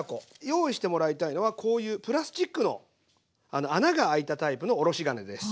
用意してもらいたいのはこういうプラスチックの穴が開いたタイプのおろし金です。